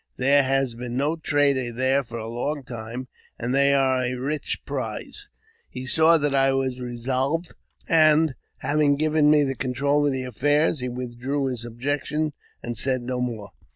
There has been no trader there for a long time, and they are a rich prize." He saw that I was resolved, and, having given me the control of affairs, he withdrew his objection and said no more.